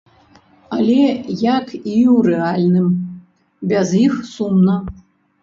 Але, як і ў рэальным, без іх сумна.